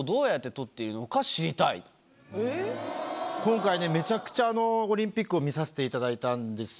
今回ねめちゃくちゃオリンピックを見させていただいたんですよ。